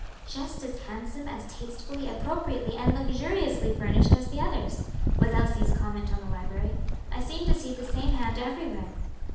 "Just as handsome, as tastefully, appropriately, and luxuriously furnished as the others," was Elsie's comment on the library. "I seem to see the same hand everywhere."